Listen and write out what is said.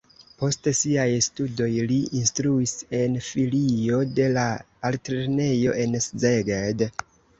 Post siaj studoj li instruis en filio de la altlernejo en Szeged.